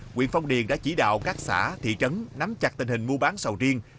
huyện phong điền đã chỉ đạo các xã thị trấn nắm chặt tình hình mua bán sầu riêng